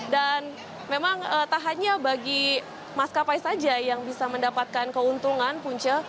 dan memang tak hanya bagi maskapai saja yang bisa mendapatkan keuntungan punca